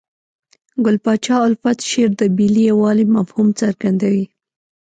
ګل پاچا الفت شعر د ملي یووالي مفهوم څرګندوي.